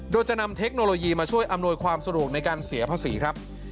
โดยจะนำเทคโนโลยีมาช่วยอำนวยความสะดวกในการเสียภาษีครับ